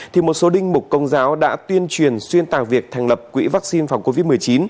thì một số đinh mục công giáo đã tuyên truyền xuyên tạc việc thành lập quỹ vaccine phòng covid một mươi chín